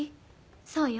そうよ